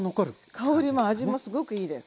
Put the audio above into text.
香りも味もすごくいいです。